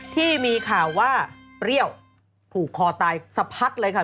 ที่มีข่าวว่าเปรี้ยวผูกคอตายสะพัดเลยค่ะ